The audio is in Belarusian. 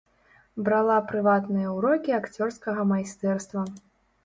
Брала прыватныя ўрокі акцёрскага майстэрства.